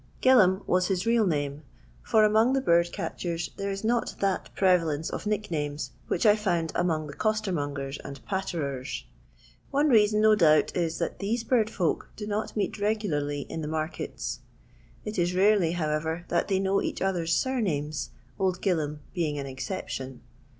Gilham was his real name, for among the bird catchers there is not that prevalence of nicknames which I found among the costermougers and patterers. One reason no doubt is, that these bird folk do not meet regularly in the markets. It is rarely, however, that they know each other's sumnmes. Old Gilham being an exception.